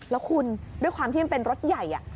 แล้วคุณด้วยความที่มันเป็นรถใหญ่